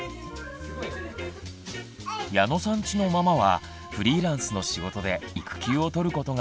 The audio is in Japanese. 矢野さんちのママはフリーランスの仕事で育休を取ることができません。